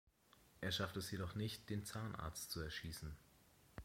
Er schafft es jedoch nicht, den Zahnarzt zu erschießen.